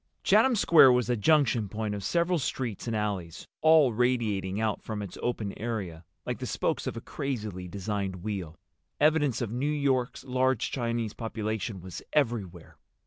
Chatham Square was a junction point of several streets and alleys, all radiating out from its open area like the spokes of a crazily designed wheel. Evidence of New York's large Chinese population was everywhere.